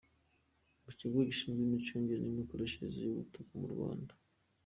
Mu Kigo Gishinzwe Imicungire n’Imikoreshereze y’Ubutaka mu Rwanda .